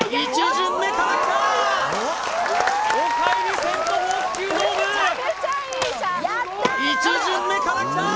１巡目からきたー！